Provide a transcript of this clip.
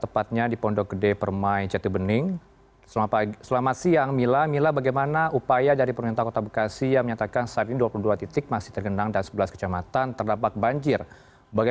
pondok gede permai jatiasi pada minggu pagi